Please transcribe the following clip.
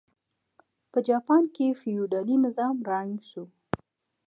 په جاپان کې فیوډالي نظام ړنګ شو.